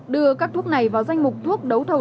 đưa các thuốc này vào danh mục thuốc đấu thầu